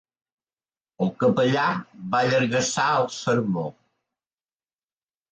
El capellà va allargassar el sermó.